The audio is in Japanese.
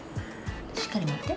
しっかり持って。